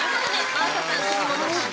真麻さん、国本さん